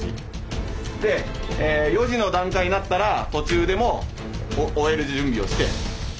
で４時の段階になったら途中でも終える準備をして。